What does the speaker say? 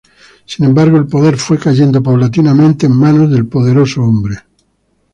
Sin embargo, el poder fue cayendo paulatinamente en manos del poderoso hombre.